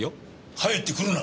入ってくるな。